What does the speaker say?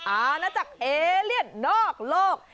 อาณาจักรเอเลียนนอกโลก